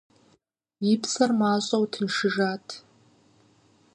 И псэр мащӀэу тыншыжат…